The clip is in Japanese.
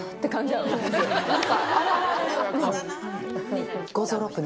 なんか。